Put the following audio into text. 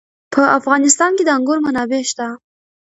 په افغانستان کې د انګور منابع شته.